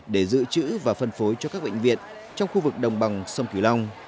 để giữ chữ và phân phối cho các bệnh viện trong khu vực đồng bằng sông thủy long